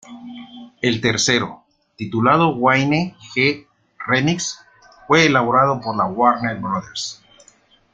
El tercero, titulado Wayne G. Remix, fue elaborado por la Warner Bros.